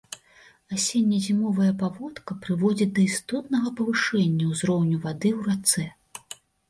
Асенне-зімовая паводка прыводзіць да істотнага павышэння ўзроўню вады ў рацэ.